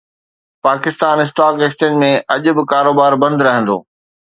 Pakistan stock exchange ۾ اڄ به ڪاروبار بند رهندو